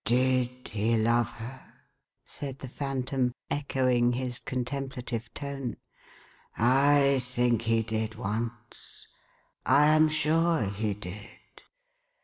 " Did he love her ?" said the Phantom, echoing his con templative tone. " I think he did once. I am sure he did.